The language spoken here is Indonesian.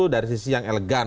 dari sisi yang elegan